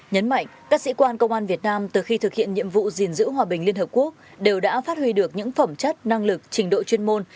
nhấn mạnh các sĩ quan công an việt nam từ khi thực hiện nhiệm vụ gìn giữ hòa bình liên hợp quốc đều đã phát huy được những phẩm chất năng lực trình độ chuyên môn